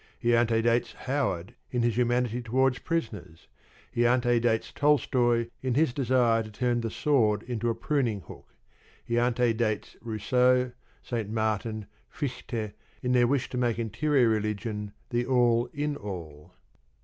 He antedates Howard in his humanity towards prisoners. He antedates Tolstoy in his desire to turn the sword into a pruning hook. He antedates Rousseau, St. Martin, Fichte in their wish to make interior religion the all in all.